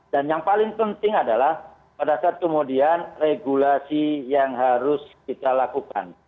dan yang paling penting adalah pada saat kemudian regulasi yang harus kita lakukan